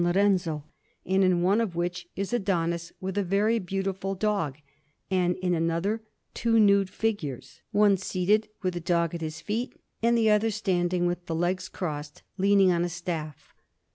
Lorenzo, in one of which is Adonis with a very beautiful dog, and in another two nude figures, one seated, with a dog at its feet, and the other standing with the legs crossed, leaning on a staff.